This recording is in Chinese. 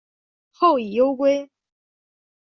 后以忧归。